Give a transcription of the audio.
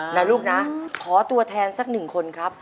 นะลูกนะขอตัวแทนสักหนึ่งคนครับ